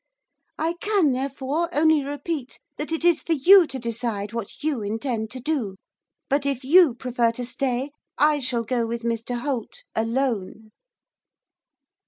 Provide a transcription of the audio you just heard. I can, therefore, only repeat that it is for you to decide what you intend to do; but, if you prefer to stay, I shall go with Mr Holt, alone.